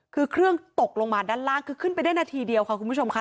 คือเครื่องตกลงมาด้านล่างคือขึ้นไปได้นาทีเดียวค่ะคุณผู้ชมค่ะ